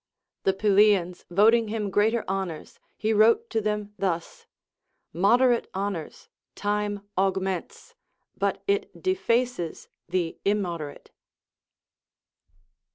The Pylians voting him greater honors, he wrote to them thus. Moderate honors time augments, but it defaces the immoderate.